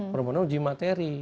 pemenuh uji materi